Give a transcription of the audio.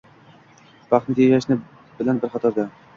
vaqtni tejashi bilan bir qatorda